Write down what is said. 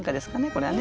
これはね。